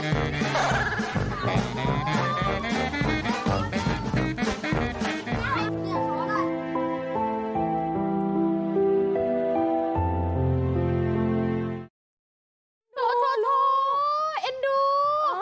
โทรเอ็นดู